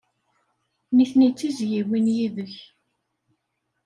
Nitni d tizzyiwin yid-k.